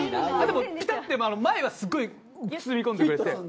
でもピタッて前はすごい包み込んでくれて。